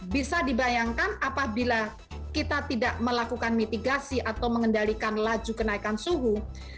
bisa dibayangkan apabila kita tidak melakukan mitigasi atau mengendalikan laju kenaikan suhu